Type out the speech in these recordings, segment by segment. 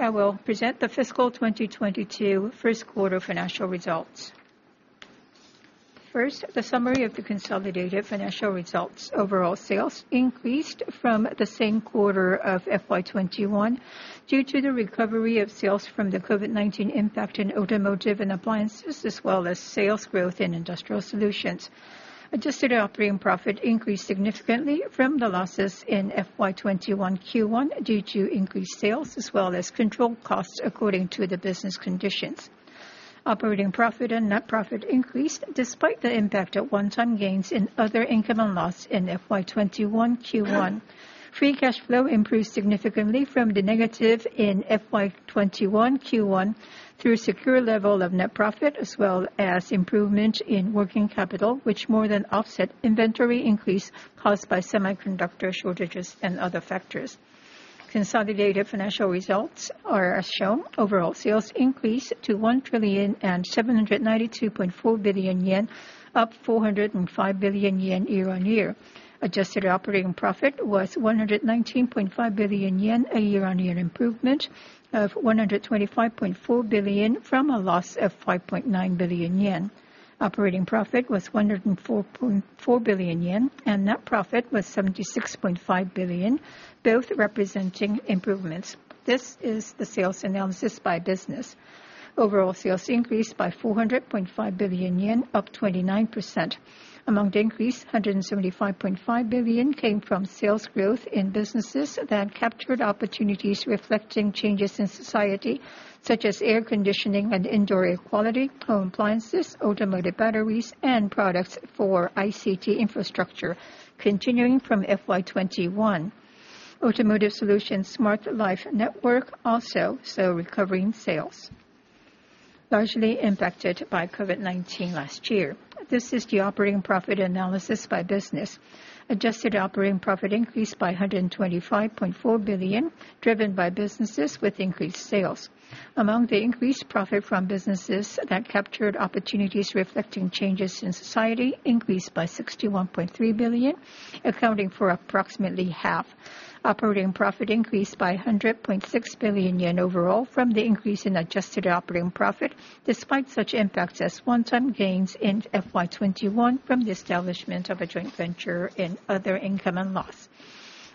I will present the fiscal 2022 first quarter financial results. First, the summary of the consolidated financial results. Overall sales increased from the same quarter of FY 2021 due to the recovery of sales from the COVID-19 impact in Automotive and Appliances, as well as sales growth in Industrial Solutions. Adjusted operating profit increased significantly from the losses in FY 2021 Q1 due to increased sales as well as controlled costs according to the business conditions. Operating profit and net profit increased despite the impact of one-time gains in other income and loss in FY 2021 Q1. Free cash flow improved significantly from the negative in FY 2021 Q1 through a secure level of net profit, as well as improvement in working capital, which more than offset inventory increase caused by semiconductor shortages and other factors. Consolidated financial results are as shown. Overall sales increased to 1,792.4 billion yen, up 405 billion yen year-on-year. Adjusted operating profit was 119.5 billion yen, a year-on-year improvement of 125.4 billion from a loss of 5.9 billion yen. Operating profit was 104.4 billion yen, and net profit was 76.5 billion, both representing improvements. This is the sales analysis by business. Overall sales increased by 400.5 billion yen, up 29%. Among the increase, 175.5 billion came from sales growth in businesses that captured opportunities reflecting changes in society, such as air conditioning and indoor air quality, home appliances, automotive batteries, and products for ICT infrastructure continuing from FY 2021. Automotive Solutions Smart Life Network also saw a recovery in sales largely impacted by COVID-19 last year. This is the operating profit analysis by business. Adjusted operating profit increased by 125.4 billion, driven by businesses with increased sales. Among the increased profit from businesses that captured opportunities reflecting changes in society increased by 61.3 billion, accounting for approximately half. Operating profit increased by 100.6 billion yen overall from the increase in adjusted operating profit, despite such impacts as one-time gains in FY 2021 from the establishment of a joint venture in other income and loss.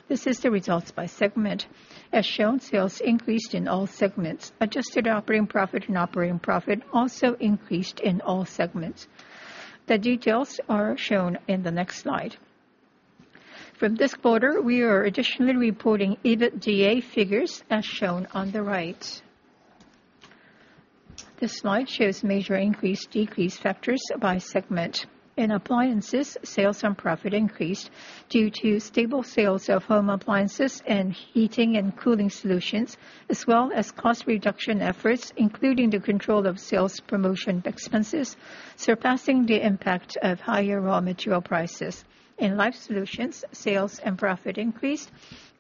This is the results by segment. As shown, sales increased in all segments. Adjusted operating profit and operating profit also increased in all segments. The details are shown in the next slide. From this quarter, we are additionally reporting EBITDA figures as shown on the right. This slide shows major increase, decrease factors by segment. In Appliances, sales and profit increased due to stable sales of home appliances and heating and cooling solutions, as well as cost reduction efforts, including the control of sales promotion expenses, surpassing the impact of higher raw material prices. In Life Solutions, sales and profit increased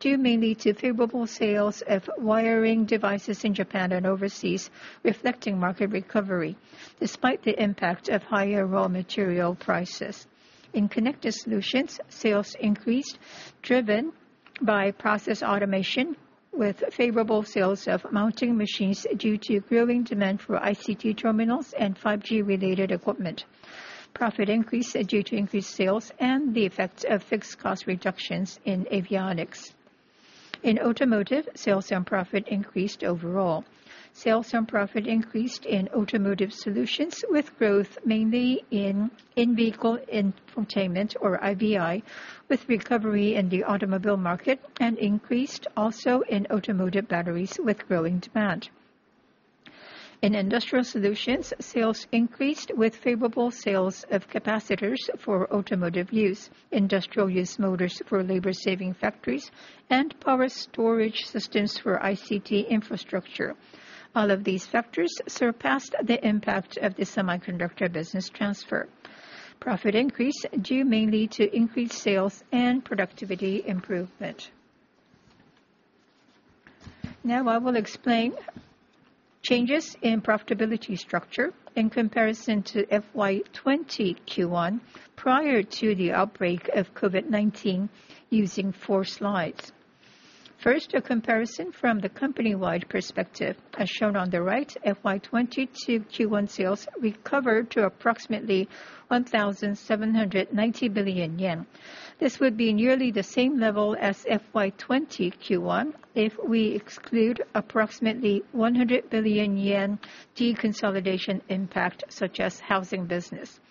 due mainly to favorable sales of wiring devices in Japan and overseas, reflecting market recovery despite the impact of higher raw material prices. In Connected Solutions, sales increased driven by process automation, with favorable sales of mounting machines due to growing demand for ICT terminals and 5G-related equipment. Profit increased due to increased sales and the effects of fixed cost reductions in avionics. In Automotive, sales and profit increased overall. Sales and profit increased in Automotive Solutions, with growth mainly in In Vehicle Infotainment or IVI, with recovery in the automobile market and increased also in Automotive Batteries with growing demand. In Industrial Solutions, sales increased with favorable sales of capacitors for automotive use, industrial use motors for labor-saving factories, and power storage systems for ICT infrastructure. All of these factors surpassed the impact of the semiconductor business transfer. Profit increased due mainly to increased sales and productivity improvement. Now I will explain changes in profitability structure in comparison to FY 2020 Q1, prior to the outbreak of COVID-19, using four slides. First, a comparison from the company-wide perspective. As shown on the right, FY 2022 Q1 sales recovered to approximately 1,790 billion yen. This would be nearly the same level as FY 2020 Q1 if we exclude approximately 100 billion yen deconsolidation impact, such as housing business.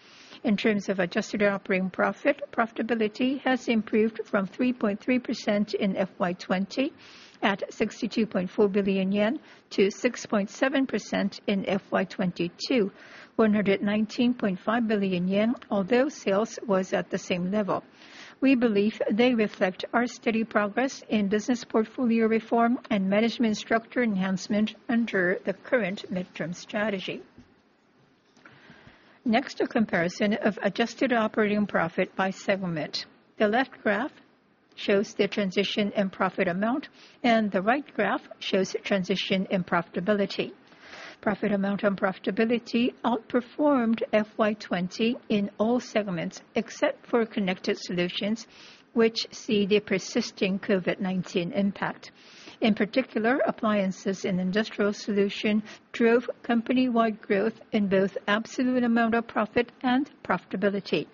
In terms of adjusted operating profit, profitability has improved from 3.3% in FY 2020 at 62.4 billion yen to 6.7% in FY 2022, 119.5 billion yen, although sales was at the same level. We believe they reflect our steady progress in business portfolio reform and management structure enhancement under the current midterm strategy. Next, a comparison of adjusted operating profit by segment. The left graph shows the transition in profit amount, and the right graph shows transition in profitability. Profit amount and profitability outperformed FY 2020 in all segments except for Connected Solutions, which see the persisting COVID-19 impact. In particular, Appliances and Industrial Solutions drove company-wide growth in both absolute amount of profit and profitability.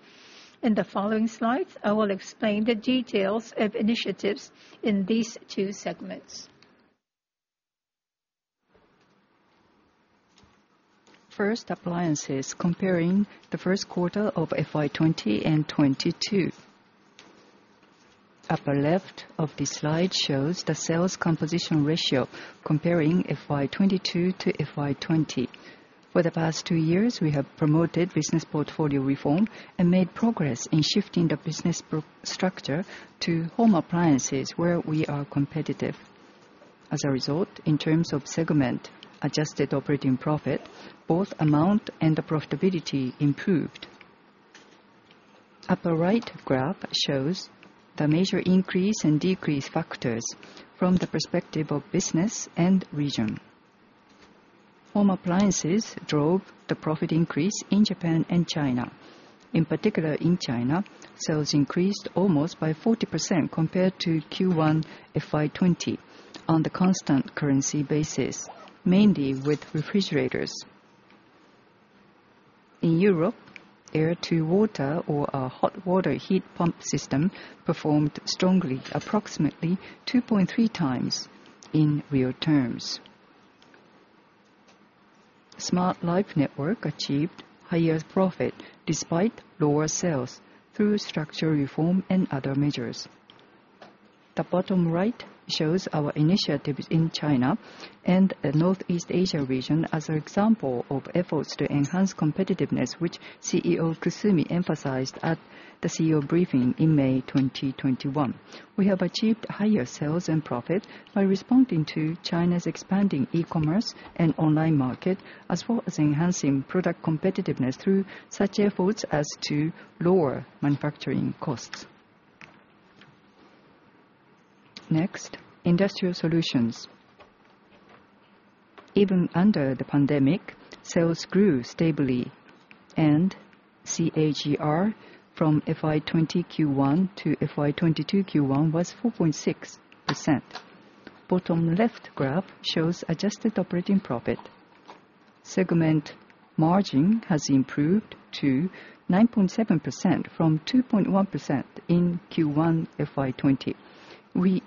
In the following slides, I will explain the details of initiatives in these two segments. First, Appliances. Comparing the first quarter of FY 2020 and FY 2022. Upper left of the slide shows the sales composition ratio comparing FY 2022 to FY 2020. For the past two years, we have promoted business portfolio reform and made progress in shifting the business structure to home appliances where we are competitive. As a result, in terms of segment adjusted operating profit, both amount and the profitability improved. Upper right graph shows the major increase and decrease factors from the perspective of business and region. Home appliances drove the profit increase in Japan and China. In particular, in China, sales increased almost by 40% compared to Q1 FY 2020 on the constant currency basis, mainly with refrigerators. In Europe, air-to-water or our hot water heat pump system performed strongly, approximately 2.3x in real terms. Smart Life Network achieved higher profit despite lower sales through structural reform and other measures. The bottom right shows our initiatives in China and the Northeast Asia region as an example of efforts to enhance competitiveness, which CEO Kusumi emphasized at the CEO briefing in May 2021. We have achieved higher sales and profit by responding to China's expanding e-commerce and online market, as well as enhancing product competitiveness through such efforts as to lower manufacturing costs. Next, Industrial Solutions. Even under the pandemic, sales grew stably, and CAGR from FY 2020 Q1 to FY 2022 Q1 was 4.6%. Bottom left graph shows adjusted operating profit. Segment margin has improved to 9.7% from 2.1% in Q1 FY 2020.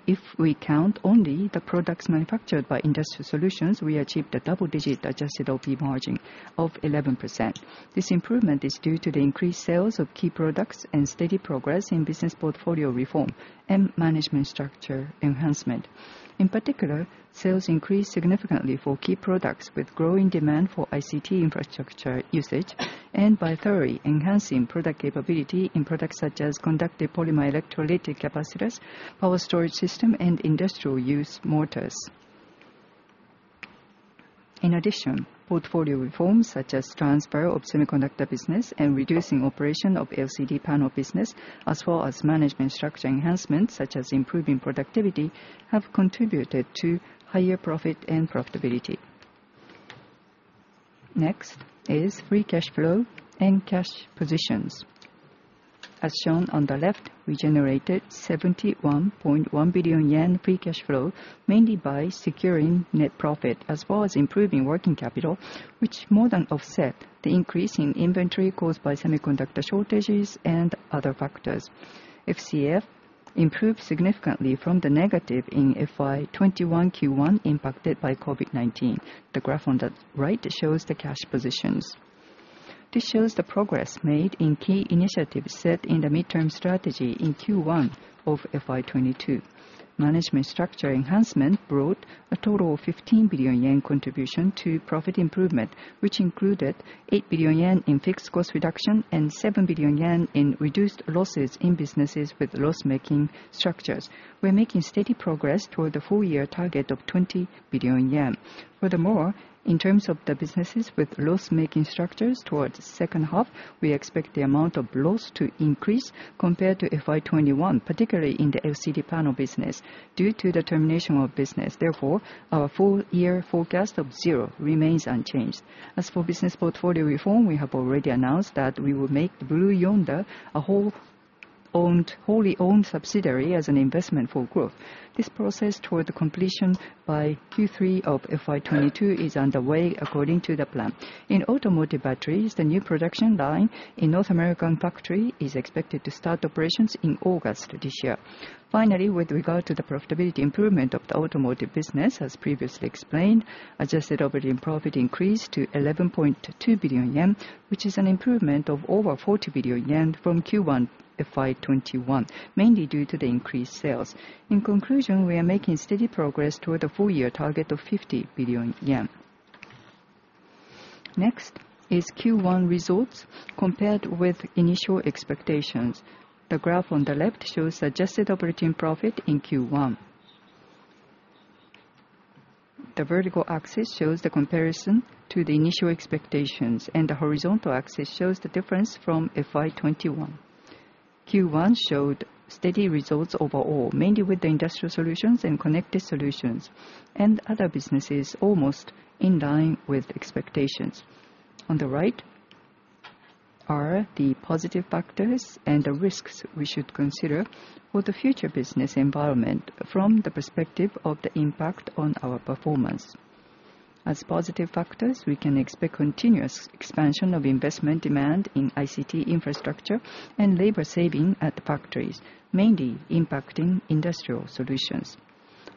If we count only the products manufactured by Industrial Solutions, we achieved a double-digit adjusted OP margin of 11%. This improvement is due to the increased sales of key products and steady progress in business portfolio reform and management structure enhancement. In particular, sales increased significantly for key products with growing demand for ICT infrastructure usage and by thoroughly enhancing product capability in products such as conductive polymer electrolytic capacitors, power storage system, and industrial use motors. In addition, portfolio reforms such as transfer of semiconductor business and reducing operation of LCD panel business, as well as management structure enhancements such as improving productivity, have contributed to higher profit and profitability. Next is free cash flow and cash positions. As shown on the left, we generated 71.1 billion yen free cash flow, mainly by securing net profit as well as improving working capital, which more than offset the increase in inventory caused by semiconductor shortages and other factors. FCF improved significantly from the negative in FY 2021 Q1 impacted by COVID-19. The graph on the right shows the cash positions. This shows the progress made in key initiatives set in the midterm strategy in Q1 of FY 2022. Management structure enhancement brought a total of 15 billion yen contribution to profit improvement, which included 8 billion yen in fixed cost reduction and 7 billion yen in reduced losses in businesses with loss-making structures. We're making steady progress toward the full-year target of 20 billion yen. Furthermore, in terms of the businesses with loss-making structures towards the second half, we expect the amount of loss to increase compared to FY 2021, particularly in the LCD panel business, due to the termination of business. Therefore, our full-year forecast of zero remains unchanged. As for business portfolio reform, we have already announced that we will make Blue Yonder a wholly owned subsidiary as an investment for growth. This process toward the completion by Q3 of FY 2022 is underway according to the plan. In Automotive Batteries, the new production line in North American factory is expected to start operations in August this year. Finally, with regard to the profitability improvement of the automotive business, as previously explained, adjusted operating profit increased to 11.2 billion yen, which is an improvement of over 40 billion yen from Q1 FY 2021, mainly due to the increased sales. In conclusion, we are making steady progress toward the full-year target of 50 billion yen. Next is Q1 results compared with initial expectations. The graph on the left shows adjusted operating profit in Q1. The vertical axis shows the comparison to the initial expectations, and the horizontal axis shows the difference from FY 2021. Q1 showed steady results overall, mainly with the Industrial Solutions and Connected Solutions, and other businesses almost in line with expectations. On the right are the positive factors and the risks we should consider for the future business environment from the perspective of the impact on our performance. As positive factors, we can expect continuous expansion of investment demand in ICT infrastructure and labor saving at factories, mainly impacting Industrial Solutions.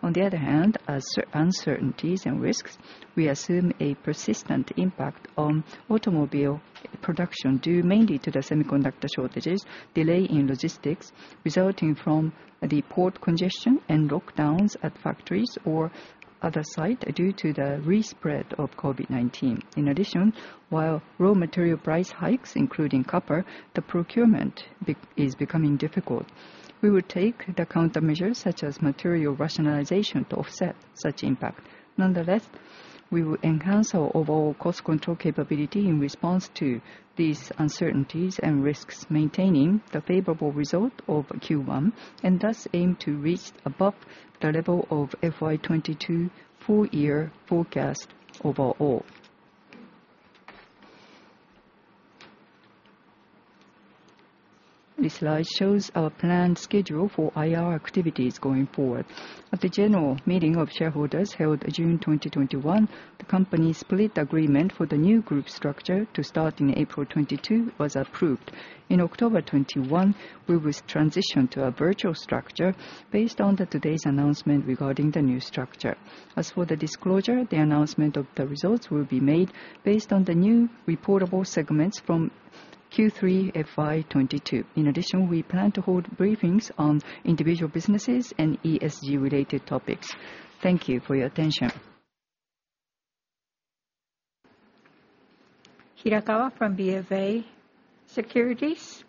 On the other hand, as uncertainties and risks, we assume a persistent impact on automobile production due mainly to the semiconductor shortages, delay in logistics resulting from the port congestion and lockdowns at factories or other site due to the re-spread of COVID-19. In addition, while raw material price hikes, including copper, the procurement is becoming difficult. We will take the countermeasures such as material rationalization to offset such impact. Nonetheless, we will enhance our overall cost control capability in response to these uncertainties and risks, maintaining the favorable result of Q1, and thus aim to reach above the level of FY 2022 full year forecast overall. This slide shows our planned schedule for IR activities going forward. At the general meeting of shareholders held June 2021, the company's split agreement for the new group structure to start in April 2022 was approved. In October 2021, we will transition to a virtual structure based on today's announcement regarding the new structure. As for the disclosure, the announcement of the results will be made based on the new reportable segments from Q3 FY 2022. In addition, we plan to hold briefings on individual businesses and ESG related topics. Thank you for your attention. Hirakawa from BofA Securities.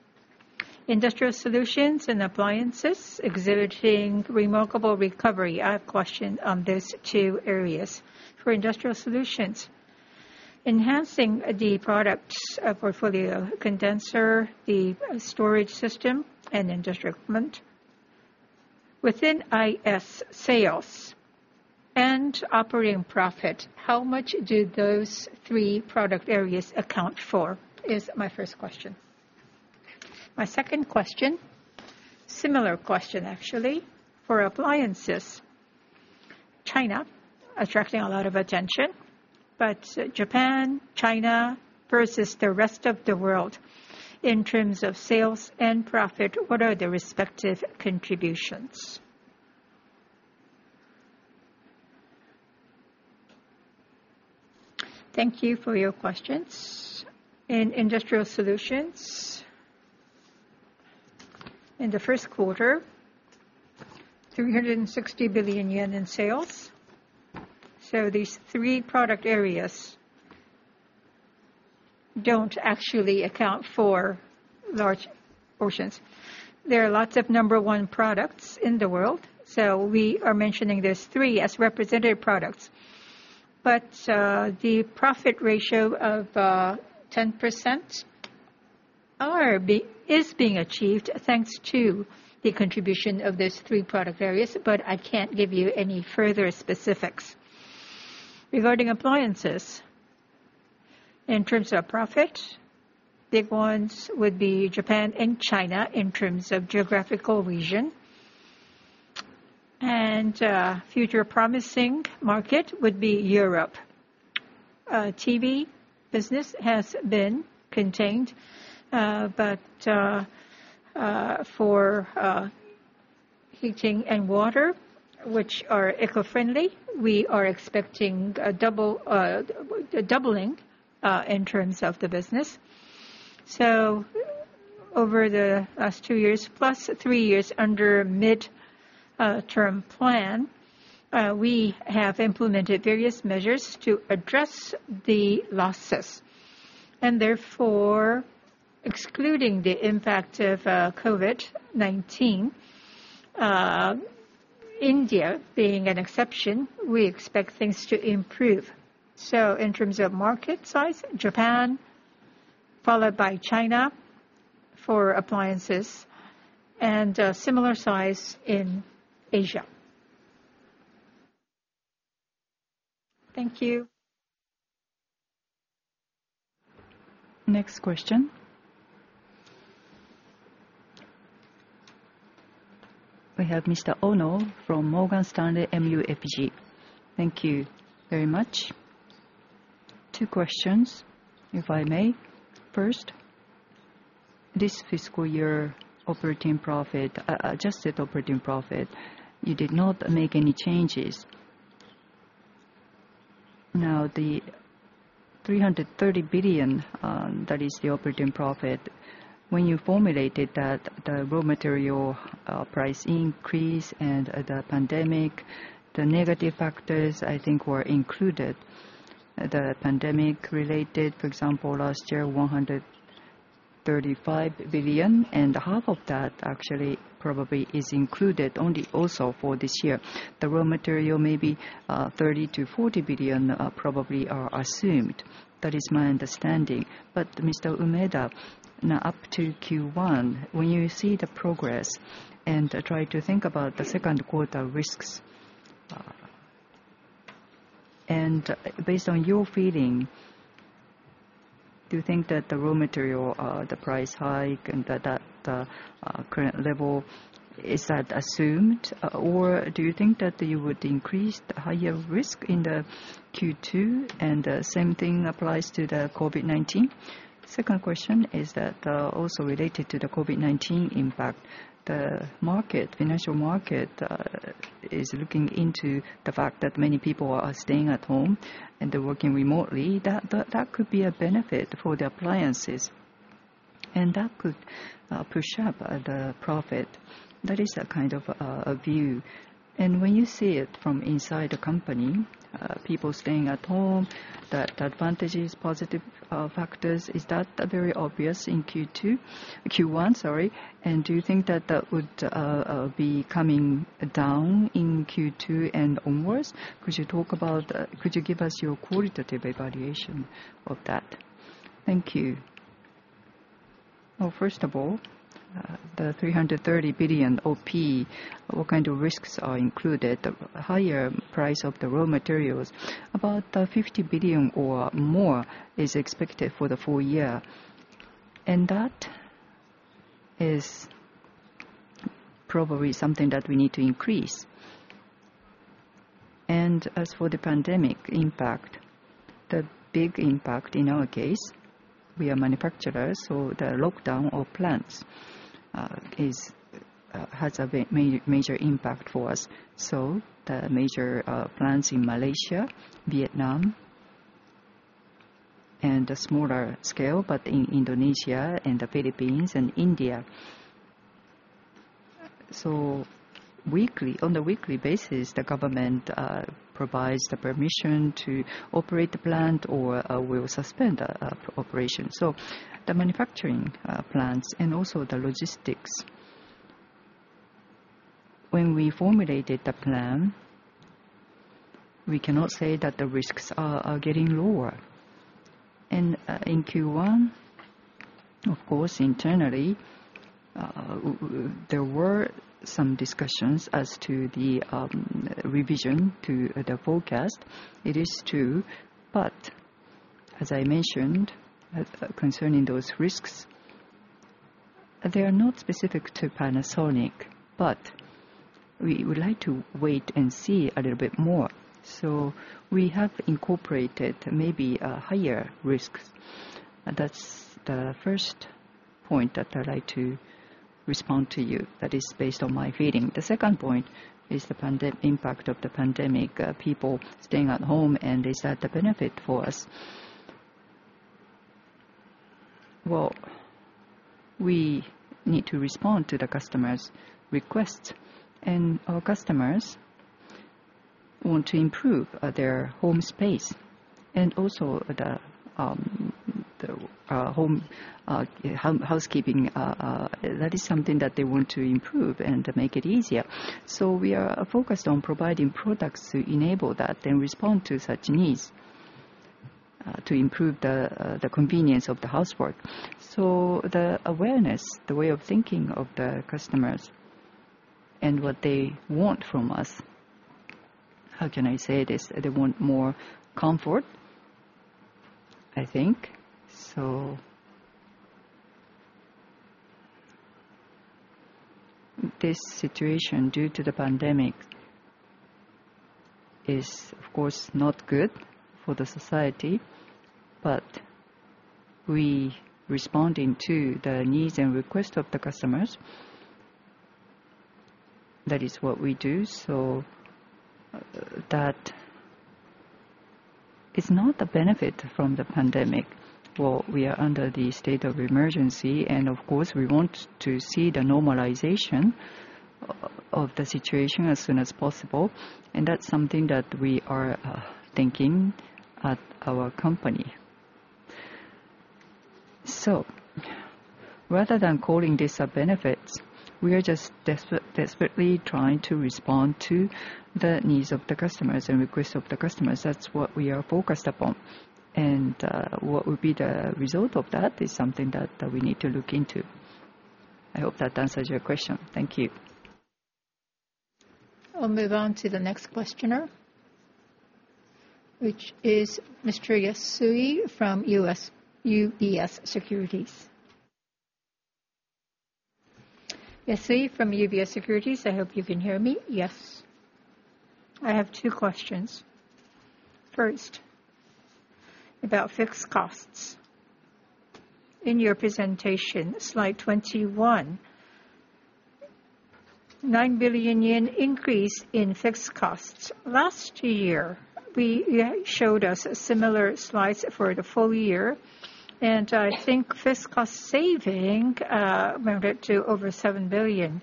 Industrial Solutions and Appliances exhibiting remarkable recovery. I have a question on those two areas. For Industrial Solutions, enhancing the product portfolio, capacitors, the power storage system, and industry equipment within IS sales and operating profit. How much do those three product areas account for, is my first question. My second question, similar question actually. For Appliances, China attracting a lot of attention, but Japan, China versus the rest of the world in terms of sales and profit, what are the respective contributions? Thank you for your questions. In Industrial Solutions, in the first quarter, 360 billion yen in sales. These three product areas don't actually account for large portions. There are lots of number one products in the world, we are mentioning these three as representative products. The profit ratio of 10% is being achieved thanks to the contribution of these three product areas, I can't give you any further specifics. Regarding Appliances, in terms of profit, big ones would be Japan and China in terms of geographical region. Future promising market would be Europe. TV business has been contained, for heating and water, which are eco-friendly, we are expecting a doubling in terms of the business. Over the last two years plus three years under mid-term plan, we have implemented various measures to address the losses. Therefore, excluding the impact of COVID-19, India being an exception, we expect things to improve. In terms of market size, Japan followed by China for Appliances and a similar size in Asia. Thank you. Next question. We have Mr. Ono from Morgan Stanley MUFG. Thank you very much. Two questions, if I may. First, this fiscal year operating profit, adjusted operating profit, you did not make any changes. The 330 billion, that is the operating profit. When you formulated that, the raw material price increase and the pandemic, the negative factors, I think, were included. The pandemic related, for example, last year, 135 billion, and half of that actually probably is included only also for this year. The raw material may be 30 billion-40 billion, probably are assumed. That is my understanding. Mr. Umeda, now up to Q1, when you see the progress and try to think about the second quarter risks. Based on your feeling, do you think that the raw material, the price hike and the current level, is that assumed? Do you think that you would increase the higher risk in the Q2, and same thing applies to the COVID-19? Second question is that, also related to the COVID-19 impact. The financial market is looking into the fact that many people are staying at home and they're working remotely. That could be a benefit for the Appliances, and that could push up the profit. That is a kind of view. When you see it from inside the company, people staying at home, that advantages positive factors, is that very obvious in Q2? Q1, sorry. Do you think that that would be coming down in Q2 and onwards? Could you give us your qualitative evaluation of that? Thank you. Well, first of all, the 330 billion OP, what kind of risks are included? The higher price of the raw materials, about 50 billion or more is expected for the full year. That is probably something that we need to increase. As for the pandemic impact, the big impact in our case, we are manufacturers, so the lockdown of plants has a major impact for us. The major plants in Malaysia, Vietnam, and a smaller scale, but in Indonesia and the Philippines and India. On the weekly basis, the government provides the permission to operate the plant or will suspend operation. The manufacturing plants and also the logistics. When we formulated the plan, we cannot say that the risks are getting lower. In Q1, of course, internally, there were some discussions as to the revision to the forecast. It is true, but as I mentioned, concerning those risks, they are not specific to Panasonic, but we would like to wait and see a little bit more. We have incorporated maybe a higher risk. That's the first point that I'd like to respond to you. That is based on my feeling. The second point is the impact of the pandemic, people staying at home, and is that a benefit for us? Well, we need to respond to the customers' requests, and our customers want to improve their home space and also the home housekeeping. That is something that they want to improve and to make it easier. We are focused on providing products to enable that and respond to such needs, to improve the convenience of the housework. The awareness, the way of thinking of the customers and what they want from us. How can I say this? They want more comfort, I think. This situation due to the pandemic is of course not good for the society, but we responding to the needs and requests of the customers. That is what we do. That is not a benefit from the pandemic. Well, we are under the state of emergency, and of course, we want to see the normalization of the situation as soon as possible, and that's something that we are thinking at our company. Rather than calling this a benefit, we are just desperately trying to respond to the needs of the customers and requests of the customers. That's what we are focused upon. What will be the result of that is something that we need to look into. I hope that answers your question. Thank you. I'll move on to the next questioner, which is Mr. Yasui from UBS Securities. Yasui from UBS Securities. I hope you can hear me. Yes. I have two questions. First, about fixed costs. In your presentation, slide 21, 9 billion yen increase in fixed costs. Last year, you showed us similar slides for the full year, and I think fixed cost saving amounted to over 7 billion,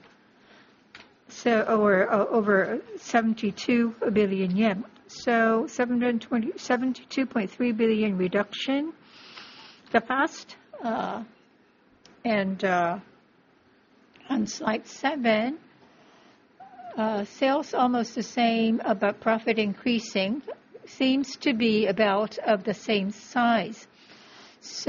or over 72 billion yen. 72.3 billion reduction, the past. On slide seven, sales almost the same, but profit increasing seems to be about of the same size.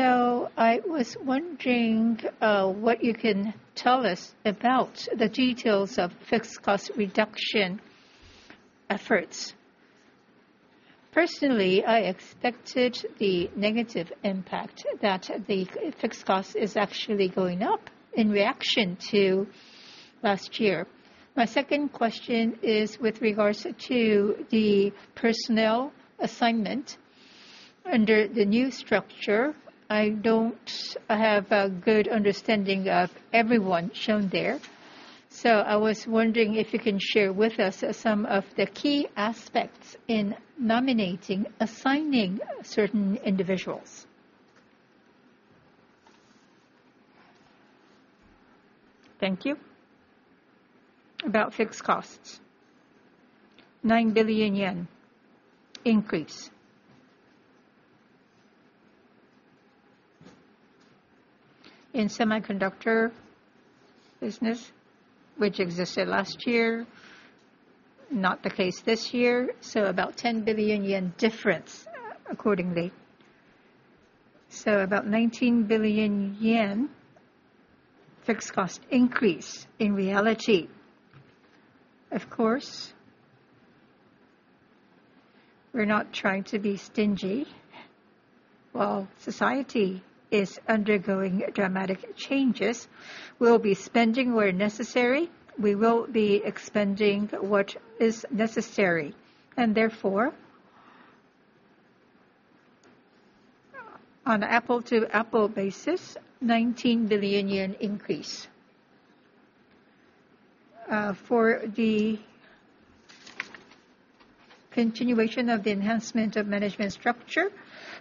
I was wondering what you can tell us about the details of fixed cost reduction efforts. Personally, I expected the negative impact that the fixed cost is actually going up in reaction to last year. My second question is with regards to the personnel assignment under the new structure. I don't have a good understanding of everyone shown there, so I was wondering if you can share with us some of the key aspects in nominating, assigning certain individuals. Thank you. About fixed costs, 9 billion yen increase. In semiconductor business, which existed last year, not the case this year, about 10 billion yen difference accordingly. About 19 billion yen fixed cost increase in reality. Of course, we're not trying to be stingy. While society is undergoing dramatic changes, we'll be spending where necessary. We will be expending what is necessary. Therefore, on apples-to-apples basis, JPY 19 billion increase. For the continuation of the enhancement of management structure,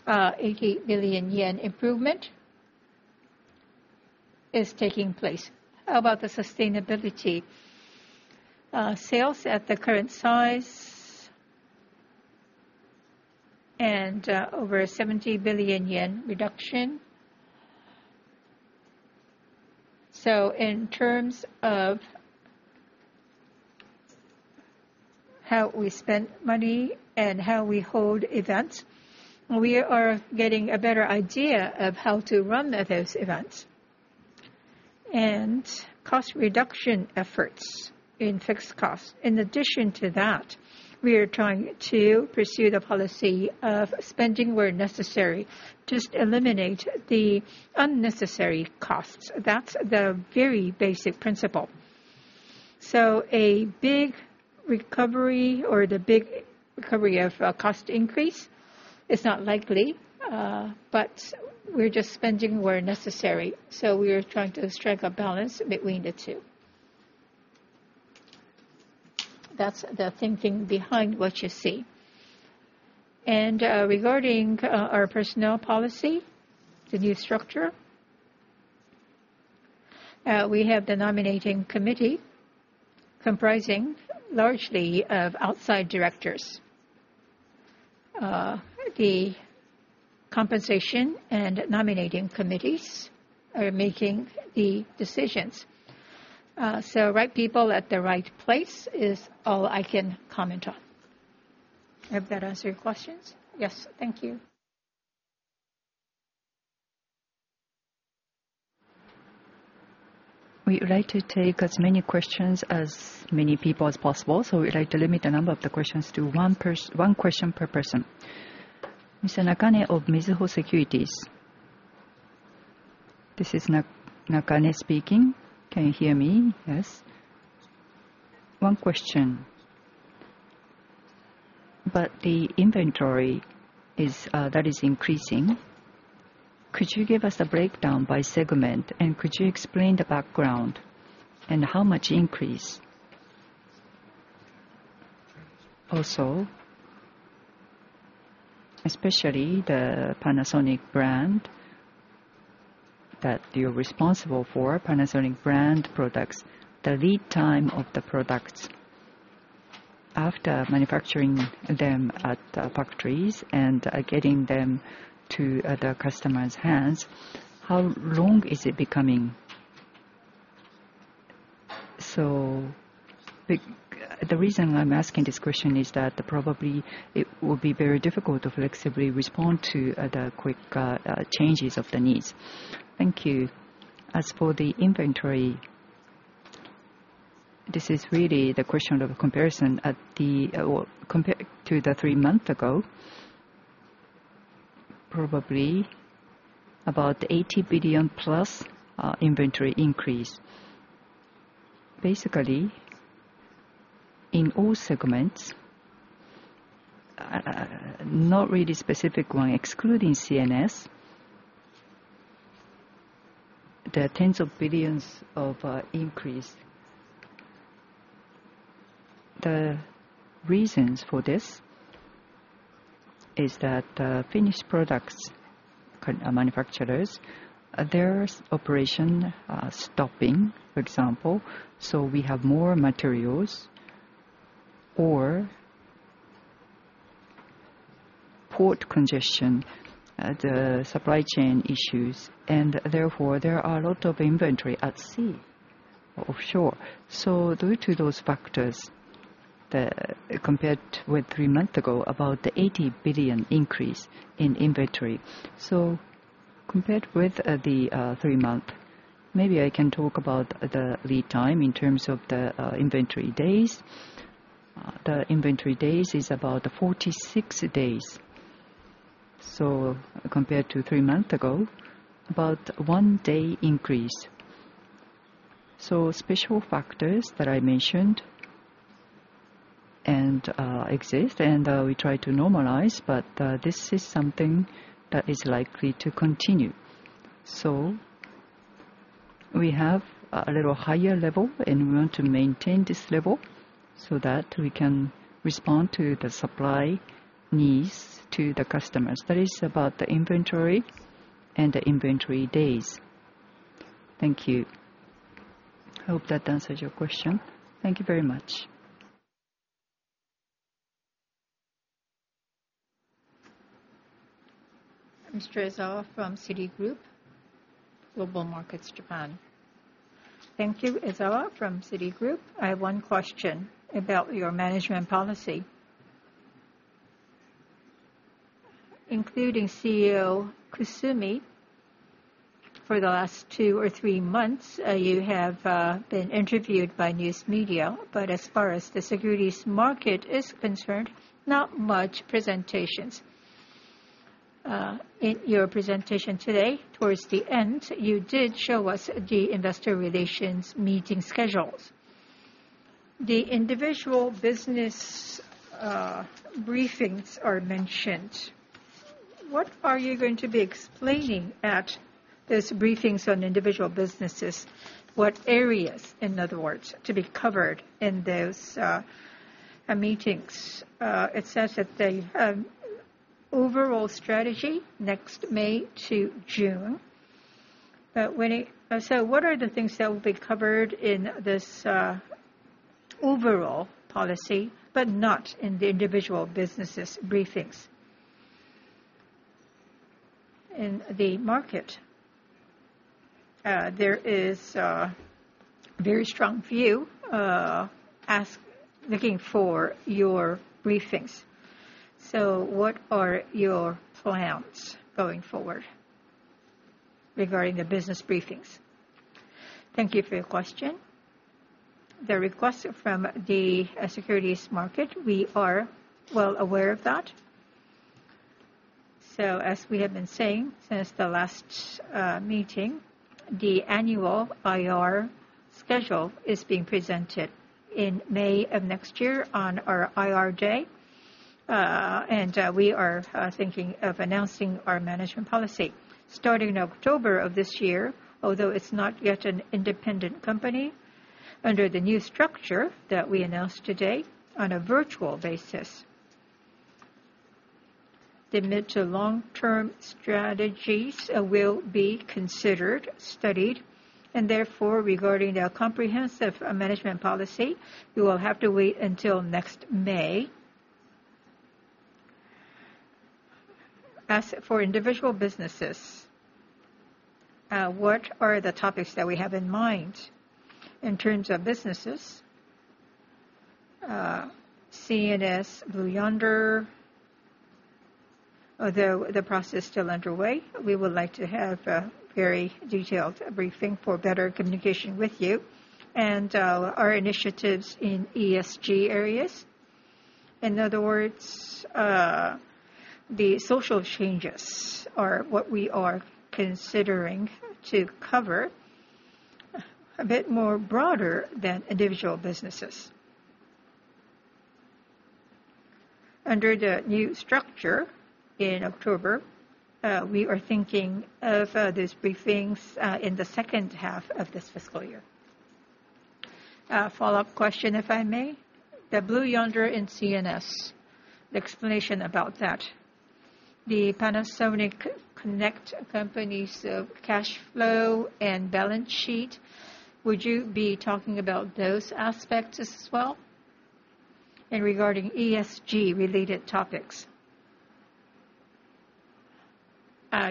80 billion yen improvement is taking place. About the sustainability, sales at the current size and over JPY 70 billion reduction. In terms of how we spend money and how we hold events, we are getting a better idea of how to run those events. Cost reduction efforts in fixed costs. In addition to that, we are trying to pursue the policy of spending where necessary. Just eliminate the unnecessary costs. That's the very basic principle. A big recovery or the big recovery of cost increase is not likely, but we're just spending where necessary. We are trying to strike a balance between the two. That's the thinking behind what you see. Regarding our personnel policy, the new structure, we have the nominating committee comprising largely of outside directors. The compensation and nominating committees are making the decisions. Right people at the right place is all I can comment on. I hope that answered your questions. Yes. Thank you. We would like to take as many questions, as many people as possible, so we would like to limit the number of the questions to one question per person. Mr. Nakane of Mizuho Securities. This is Nakane speaking. Can you hear me? Yes. One question. The inventory that is increasing, could you give us a breakdown by segment and could you explain the background and how much increase? Also, especially the Panasonic brand that you're responsible for, Panasonic brand products, the lead time of the products after manufacturing them at factories and getting them to the customer's hands, how long is it becoming? The reason I'm asking this question is that probably it will be very difficult to flexibly respond to the quick changes of the needs. Thank you. As for the inventory, this is really the question of comparison to the three months ago, probably about 80+ billion inventory increase. Basically, in all segments, not really specific one, excluding CNS, there are tens of billions of increase. The reasons for this is that the finished products manufacturers, their operation stopping, for example, we have more materials or port congestion, the supply chain issues. Therefore, there are a lot of inventory at sea. Offshore. Due to those factors, compared with three months ago, about 80 billion increase in inventory. Compared with the three months, maybe I can talk about the lead time in terms of the inventory days. The inventory days is about 46 days. Compared to three months ago, about one day increase. Special factors that I mentioned exist, and we try to normalize, but this is something that is likely to continue. We have a little higher level, and we want to maintain this level so that we can respond to the supply needs to the customers. That is about the inventory and the inventory days. Thank you. I hope that answers your question. Thank you very much. Mr. Ezawa from Citigroup Global Markets Japan. Thank you, Ezawa from Citigroup. I have one question about your management policy. Including CEO Kusumi, for the last two or three months, you have been interviewed by news media. As far as the securities market is concerned, not much presentations. In your presentation today, towards the end, you did show us the investor relations meeting schedules. The individual business briefings are mentioned. What are you going to be explaining at those briefings on individual businesses? What areas, in other words, to be covered in those meetings? It says that the overall strategy, next May to June. What are the things that will be covered in this overall policy, but not in the individual businesses briefings? In the market, there is a very strong view looking for your briefings. What are your plans going forward regarding the business briefings? Thank you for your question. The request from the securities market, we are well aware of that. As we have been saying since the last meeting, the annual IR schedule is being presented in May of next year on our IR day. We are thinking of announcing our management policy starting October of this year, although it's not yet an independent company, under the new structure that we announced today on a virtual basis. The mid to long-term strategies will be considered, studied, and therefore, regarding the comprehensive management policy, you will have to wait until next May. As for individual businesses, what are the topics that we have in mind in terms of businesses? CNS, Blue Yonder, although the process is still underway, we would like to have a very detailed briefing for better communication with you and our initiatives in ESG areas. In other words, the social changes are what we are considering to cover a bit more broader than individual businesses. Under the new structure in October, we are thinking of these briefings in the second half of this fiscal year. A follow-up question, if I may. The Blue Yonder and CNS, the explanation about that. The Panasonic Connect company's cash flow and balance sheet, would you be talking about those aspects as well? Regarding ESG-related topics,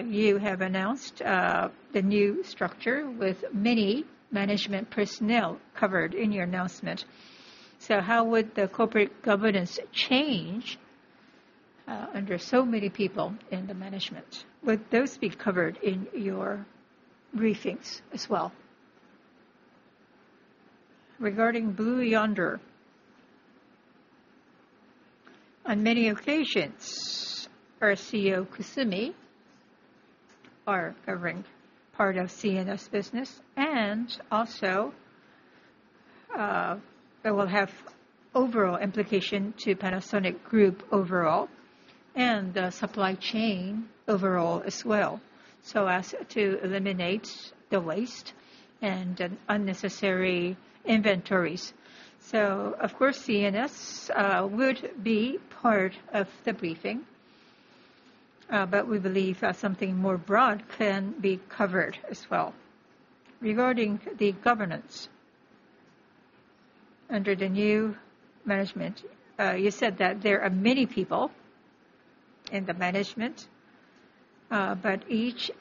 you have announced the new structure with many management personnel covered in your announcement. How would the corporate governance change under so many people in the management? Would those be covered in your briefings as well? Regarding Blue Yonder, on many occasions, our CEO, Kusumi, are covering part of CNS business, and also it will have overall implication to Panasonic group overall and the supply chain overall as well. As to eliminate the waste and unnecessary inventories. Of course, CNS would be part of the briefing. We believe something more broad can be covered as well. Regarding the governance, under the new management, you said that there are many people in the management, each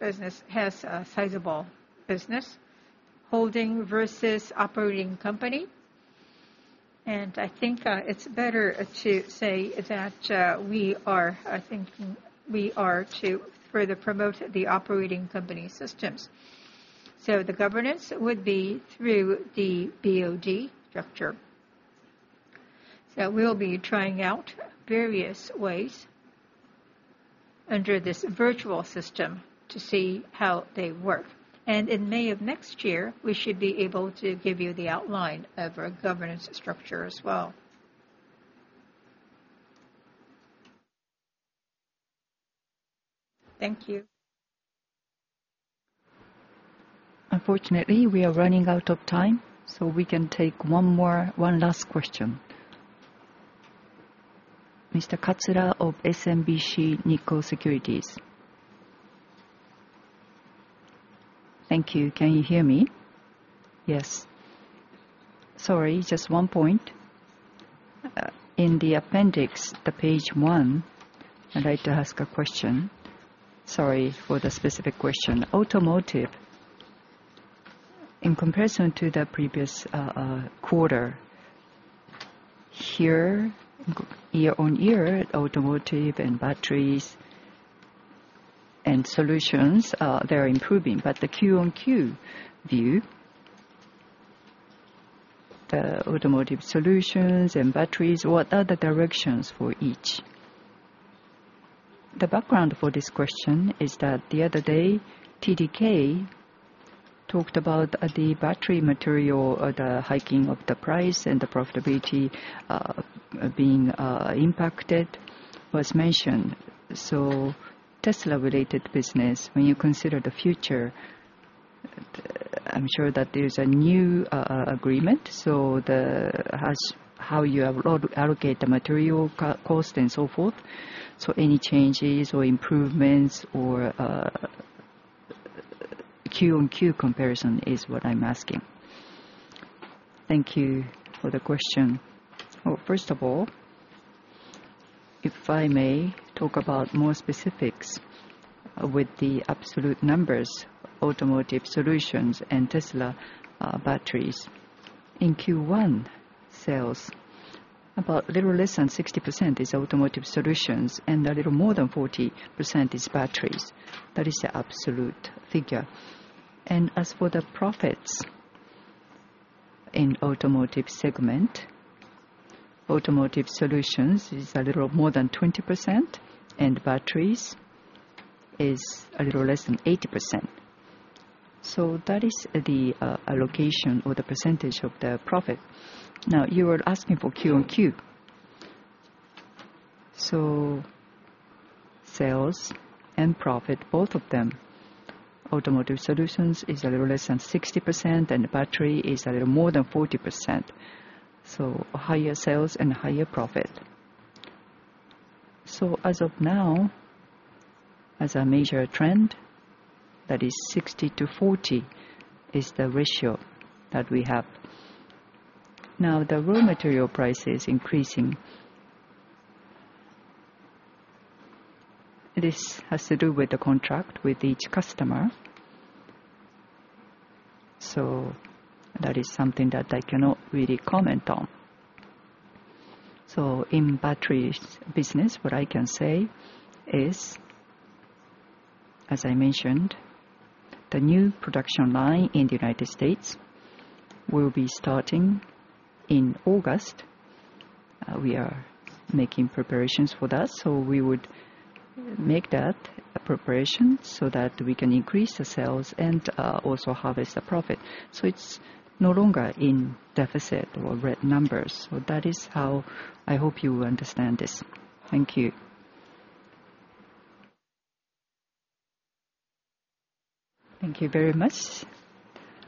business has a sizable business. Holding versus operating company. I think it's better to say that we are to further promote the operating company systems. The governance would be through the BOD structure. We'll be trying out various ways under this virtual system to see how they work. In May of next year, we should be able to give you the outline of our governance structure as well. Thank you. Unfortunately, we are running out of time, so we can take one last question. Mr. Katsura of SMBC Nikko Securities. Thank you. Can you hear me? Yes. Sorry, just one point. In the appendix, the page one, I'd like to ask a question. Sorry for the specific question. Automotive, in comparison to the previous quarter, here year-on-year, Automotive and Batteries and Solutions, they're improving, but the Q-on-Q view, the Automotive Solutions and Batteries, what are the directions for each? The background for this question is that the other day TDK talked about the battery material, the hiking of the price, and the profitability being impacted was mentioned. Tesla-related business, when you consider the future, I'm sure that there's a new agreement, how you allocate the material cost and so forth. Any changes or improvements or Q-on-Q comparison is what I'm asking. Thank you for the question. First of all, if I may talk about more specifics with the absolute numbers, Automotive Solutions and Tesla batteries. In Q1, sales, about a little less than 60% is Automotive Solutions and a little more than 40% is batteries. That is the absolute figure. As for the profits in Automotive segment, Automotive Solutions is a little more than 20% and batteries is a little less than 80%. That is the allocation or the percentage of the profit. You were asking for Q-on-Q. Sales and profit, both of them, Automotive Solutions is a little less than 60% and Batteries is a little more than 40%. Higher sales and higher profit. As of now, as a major trend, that is 60/40 is the ratio that we have. The raw material price is increasing. This has to do with the contract with each customer. That is something that I cannot really comment on. In battery business, what I can say is, as I mentioned, the new production line in the United States will be starting in August. We are making preparations for that. We would make that preparation so that we can increase the sales and also harvest the profit. It's no longer in deficit or red numbers. That is how I hope you understand this. Thank you. Thank you very much.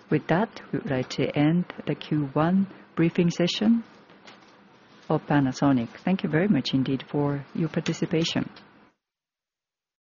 With that, we would like to end the Q1 briefing session for Panasonic. Thank you very much indeed for your participation.